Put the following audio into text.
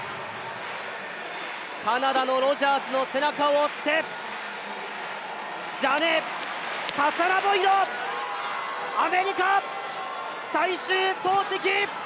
カナダのロジャーズの背中を追ってジャネー・カサナボイド、アメリカ、最終投てき。